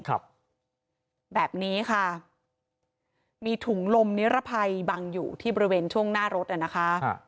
แบบนี้ค่ะมีถุงลมนิรภัยบังอยู่ที่บริเวณช่วงหน้ารถอ่ะนะคะ